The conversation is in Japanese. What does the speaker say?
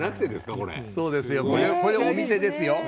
これお店ですよ。